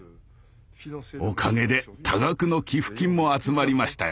おかげで多額の寄付金も集まりましたよ。